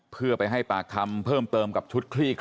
เพื่อให้ปากคำเพิ่มเติมกับชุดค่ายคดี